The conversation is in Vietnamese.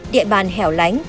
địa bàn hẻo lánh